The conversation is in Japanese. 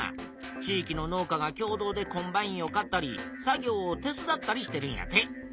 地いきの農家が共同でコンバインを買ったり作業を手伝ったりしてるんやて。